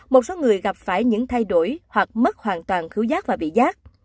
một số người gặp phải những thay đổi hoặc mất hoàn toàn thiếu giác và bị giác